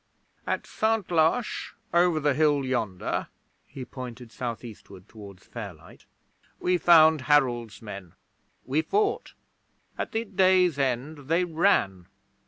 'At Santlache, over the hill yonder' he pointed south eastward towards Fairlight 'we found Harold's men. We fought. At the day's end they ran.